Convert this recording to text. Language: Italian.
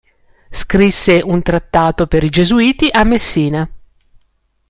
Scrisse un trattato per i gesuiti a Messina.